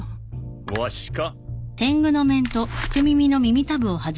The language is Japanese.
わしか？